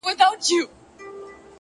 او ستا د خوب مېلمه به”